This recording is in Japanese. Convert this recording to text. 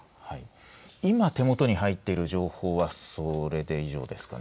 今、手元に入っている情報はそれで以上ですかね。